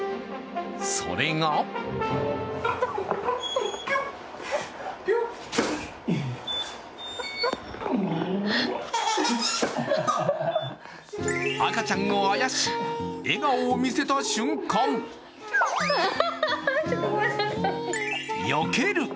それが赤ちゃんをあやし、笑顔を見せた瞬間、よける！